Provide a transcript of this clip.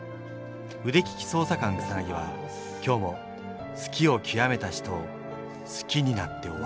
腕利き捜査官草は今日も好きをきわめた人を好きになって終わった